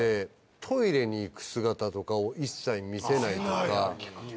トイレに行く姿とかを一切見せないとか。